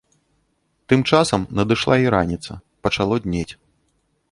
Тым часам надышла і раніца, пачало днець.